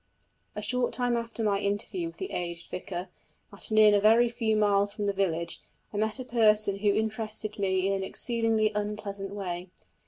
A short time after my interview with the aged vicar, at an inn a very few miles from the village, I met a person who interested me in an exceedingly unpleasant way.